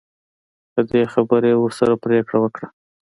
په دې خبره یې ورسره پرېکړه وکړه.